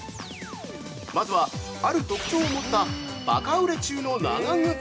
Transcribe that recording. まずは、ある特徴を持ったバカ売れ中の長靴！